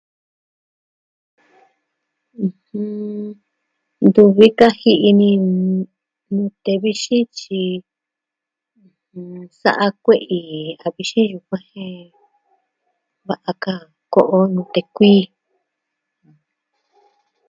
ɨjɨn... Ntuvi ka ji'i ni nute vixin tyi sa'a kue'i a vixin yukuan jen va'a ka ko'o nute kuii.